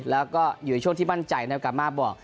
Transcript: แล้วก็อยู่ช่วงที่มั่นใจในกรรมมาบอก